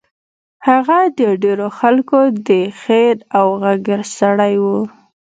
هغه د ډېرو خلکو د خېر او غږ سړی و.